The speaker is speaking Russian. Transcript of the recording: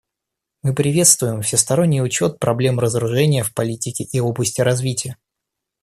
Мы приветствуем всесторонний учет проблем разоружения в политике в области развития.